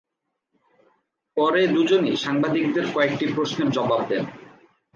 পরে দুজনই সাংবাদিকদের কয়েকটি প্রশ্নের জবাব দেন।